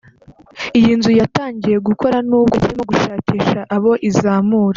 Iyi nzu yatangiye gukora n’ubwo ikirimo gushakisha abo izamura